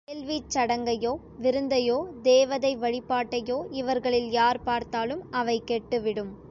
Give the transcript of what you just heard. வேள்விச் சடங்கையோ, விருந்தையோ, தேவதை வழிபாட்டையோ இவர்களில் யார் பார்த்தாலும் அவை கெட்டுவிடும்.